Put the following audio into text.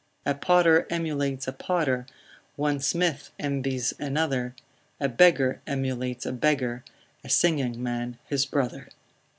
A potter emulates a potter: One smith envies another: A beggar emulates a beggar; A singing man his brother.